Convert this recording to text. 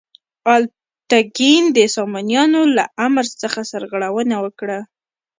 الپتکین د سامانیانو له امر څخه سرغړونه وکړه.